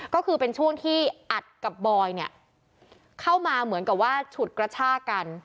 ก็คือเป็นช่วงที่อัดกับบอยเนี่ยเข้ามาเหมือนกับว่าฉุดกระชากัน